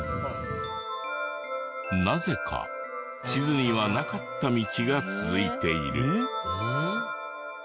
なぜか地図にはなかった道が続いている。